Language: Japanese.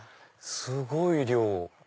すごい量。